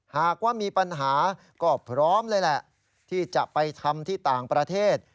หากว่ามีปัญหาก็พร้อมเลยแหละที่จะไปทำที่ต่างประเทศ